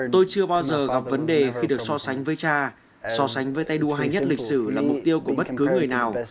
tôi chưa bao giờ gặp vấn đề khi được so sánh với cha so sánh với tay đua hay nhất lịch sử là mục tiêu của bất cứ người nào